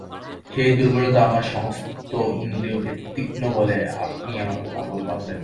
সেই দুর্বলতা আমার সমস্ত ইন্দ্রিয়কে তীক্ষ্ণ বলে আপনি আমাকে পাগল ভাববেন না!